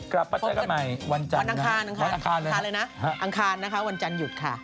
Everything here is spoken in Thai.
กลับประเทศใหม่วันอังคารอังคารนะคะวันอังคารหยุดค่ะ